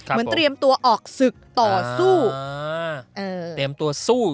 เตรียมตัวออกศึกต่อสู้เตรียมตัวสู้